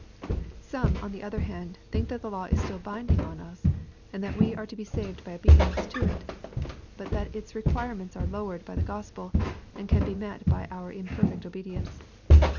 Some on the other hand think that the law is still binding on us, and that we are to be saved by obedience to it, — ^but that its requirements are lowered by the gospel, and can be met by our imperfect obedience.